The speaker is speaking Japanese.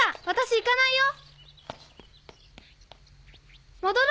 私行かない！